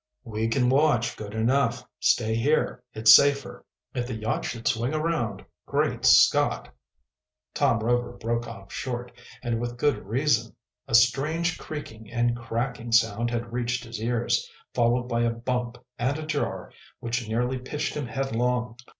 "We can watch good enough. Stay here it's safer. If the yacht should swing around Great Scott!" Tom Rover broke off short, and with good reason. A strange creaking and cracking sound had reached his ears, followed by a bump and a jar which nearly pitched him headlong.